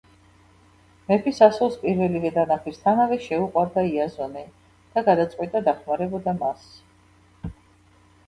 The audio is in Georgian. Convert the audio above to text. მეფის ასულს პირველივე დანახვისთანავე შეუყვარდა იაზონი და გადაწყვიტა დახმარებოდა მას.